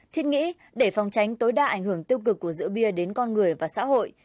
thiết nghĩ để phòng tránh tối đa ảnh hưởng tiêu cực của rượu bia đến con người và xã hội